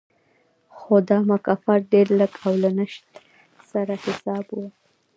خو دا مکافات ډېر لږ او له نشت سره حساب و